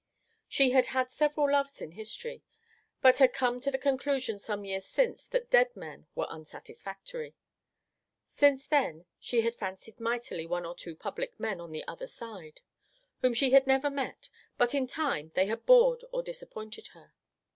She had had several loves in history, but had come to the conclusion some years since that dead men were unsatisfactory. Since then she had fancied mightily one or two public men on the other side, whom she had never met; but in time they had bored or disappointed her.